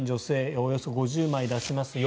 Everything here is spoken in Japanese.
およそ５０枚出しますよ